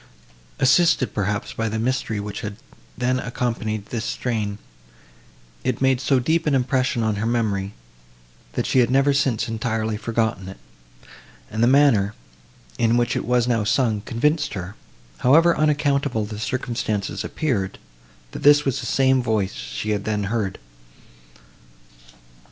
Assisted, perhaps, by the mystery, which had then accompanied this strain, it had made so deep an impression on her memory, that she had never since entirely forgotten it; and the manner, in which it was now sung, convinced her, however unaccountable the circumstances appeared, that this was the same voice she had then heard.